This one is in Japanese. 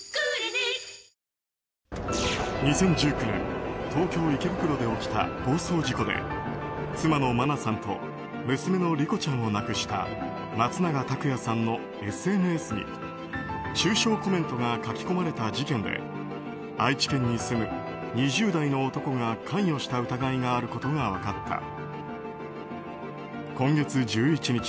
２０１９年東京・池袋で起きた暴走事故で妻の真菜さんと娘の莉子ちゃんを亡くした松永拓也さんのＳＮＳに中傷コメントが書き込まれた事件で愛知県に住む２０代の男が関与した疑いがあることが分かった。